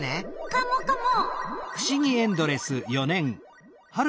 カモカモ。